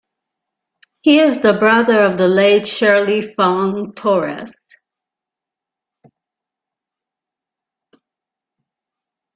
He is the brother of the late Shirley Fong-Torres.